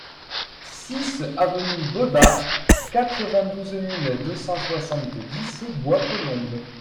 six avenue Baudard, quatre-vingt-douze mille deux cent soixante-dix Bois-Colombes